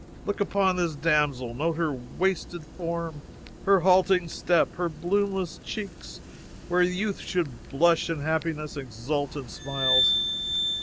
Look upon this damosel; note her wasted form, her halting step, her bloomless cheeks where youth should blush and happiness exult in smiles!